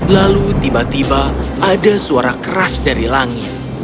lalu tiba tiba ada suara keras dari langit